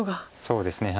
そうですね。